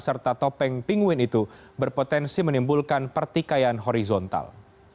serta topeng pingwin itu berpotensi menimbulkan pertikaian horizontal